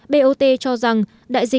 bot cho rằng